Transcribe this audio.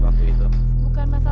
yang satu bet parce